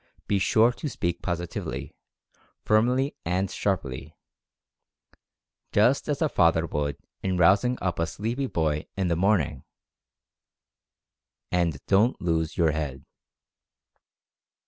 Be sure to speak positively, firmly and sharply, just as a father would in rousing up a sleepy boy in the morn ing, and don't lose your head.